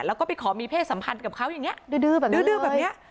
แล้วก็ไปขอมีเพศสำคัญกับเขาอย่างเงี้ยดื้อดื้อแบบนี้ดื้อดื้อแบบเนี้ย